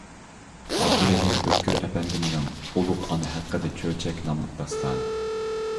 ئابدۇرېھىم ئۆتكۈر ئەپەندىمنىڭ «ئۇلۇغ ئانا ھەققىدە چۆچەك» ناملىق داستانى.